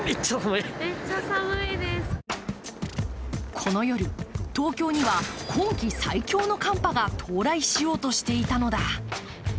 この夜、東京には今季最強の寒波が到来しようとしていたのだ。